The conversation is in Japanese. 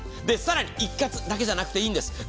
更に一括だけじゃなくていいんです。